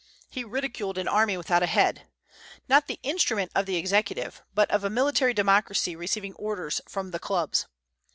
He ridiculed an army without a head, not the instrument of the executive, but of a military democracy receiving orders from the clubs.